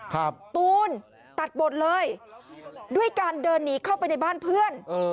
ตูนตัดบทเลยด้วยการเดินหนีเข้าไปในบ้านเพื่อนเออ